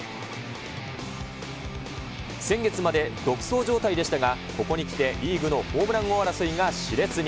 先月まで独走状態でしたが、ここにきてリーグのホームラン王争いがしれつに。